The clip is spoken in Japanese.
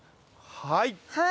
はい。